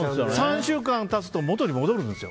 ３週間経つと元に戻るんです。